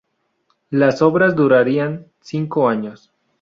Las obras durarían cinco años.